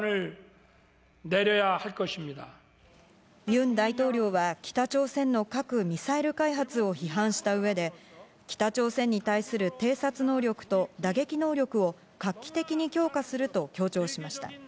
ユン大統領は北朝鮮の核ミサイル開発を批判した上で、北朝鮮に対する偵察能力と打撃能力を画期的に強化すると強調しました。